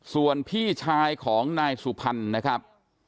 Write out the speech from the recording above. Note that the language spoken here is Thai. ส่วนพี่ชายของนายสุพรรณนะครับ